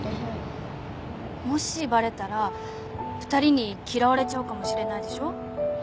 もしバレたら２人に嫌われちゃうかもしれないでしょ？